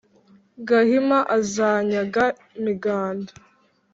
gahima azanyaga miganda.